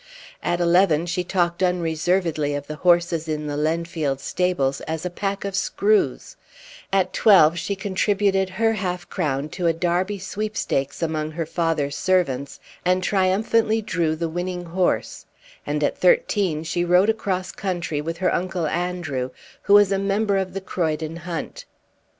At eleven she talked unreservedly of the horses in the Lenfield stables as a pack of screws; at twelve she contributed her half crown to a Derby sweepstakes among her father's servants, and triumphantly drew the winning horse; and at thirteen she rode across country with her uncle Andrew, who was a member of the Croydon hunt.